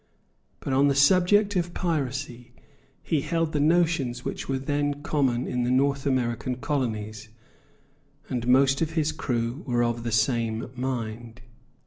But, on the subject of piracy, he held the notions which were then common in the North American colonies; and most of his crew were of the same mind.